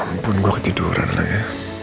ya ampun gue ketiduran lagi ya